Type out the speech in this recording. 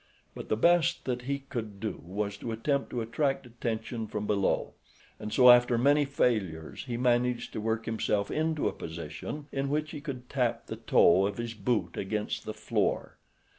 But the best that he could do was to attempt to attract attention from below, and so, after many failures, he managed to work himself into a position in which he could tap the toe of his boot against the floor.